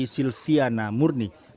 yang dianggap sebagai pemeriksaan narkoba